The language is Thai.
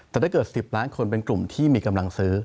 แต่ถ้าเกิด๑๐ล้านคนเป็นกลุ่มที่มีกำลังซื้อ